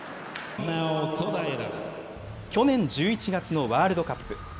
去年１１月のワールドカップ。